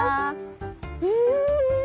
うん！